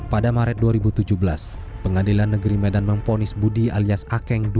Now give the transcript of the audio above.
pada maret dua ribu tujuh belas pengadilan negeri medan memponis budi alias akeng